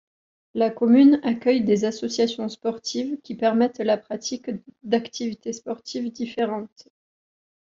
La commune accueille des associations sportives qui permettent la pratique de d'activités sportives différentes.